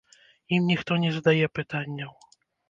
Ім ніхто не задае пытанняў.